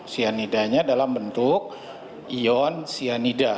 sianidanya dalam bentuk ion sianida